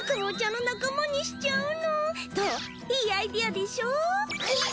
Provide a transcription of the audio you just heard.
いいアイデアでしょ？えっ！？